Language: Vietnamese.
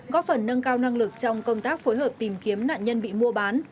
góp phần nâng cao năng lực trong công tác phối hợp tìm kiếm nạn nhân bị mua bán